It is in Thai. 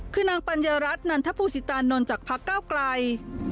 คือนางปัญญารัฐนันทภูสิตานนท์จากพักเก้าไกล